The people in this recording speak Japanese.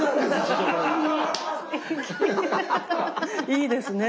いいですね。